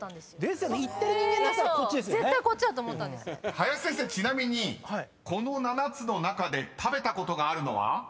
［林先生ちなみにこの７つの中で食べたことがあるのは？］